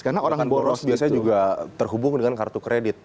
karena orang boros biasanya juga terhubung dengan kartu kredit